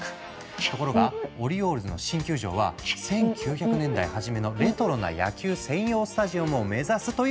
ところがオリオールズの新球場は１９００年代初めのレトロな野球専用スタジアムを目指すという計画。